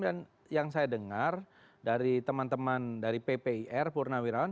dan yang saya dengar dari teman teman dari ppir purnawirawan